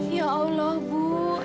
ya allah bu